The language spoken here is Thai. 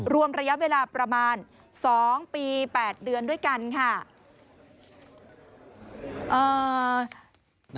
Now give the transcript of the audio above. รวมระยะเวลาประมาณ๒ปี๘เดือนด้วยกันค่ะ